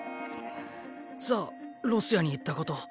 じゃあロシアに行ったこと。